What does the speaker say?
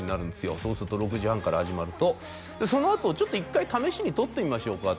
そうすると６時半から始まるとそのあと１回試しにとってみましょうかって